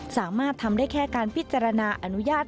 สามารถทำได้แค่การพิจารณาอนุญาต